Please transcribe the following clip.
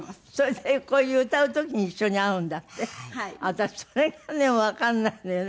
私それがねわからないのよね。